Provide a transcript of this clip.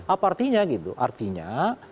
apa artinya artinya